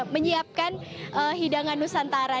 menyiapkan hidangan nusantara